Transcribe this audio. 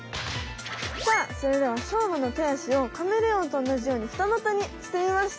さあそれではしょうまのてあしをカメレオンとおなじようにふたまたにしてみました。